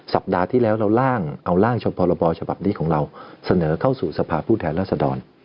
สัปดาห์ที่แล้วเราร่างเอาร่างชมพรบฉบับนี้ของเราเสนอเข้าสู่สภาพผู้แทนรัศดร